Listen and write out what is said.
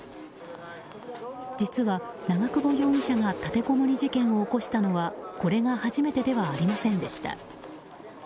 実は長久保容疑者が立てこもり事件を起こしたのはこれが初めてではありませんでした。